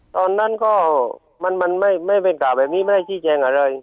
ตอนนั้นก็มันมันไม่ไม่เป็นข่าวแบบนี้ไม่ได้ชี้แจงกันเลย